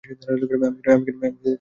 আমি কেন এমন সময়ে কাঁদব না?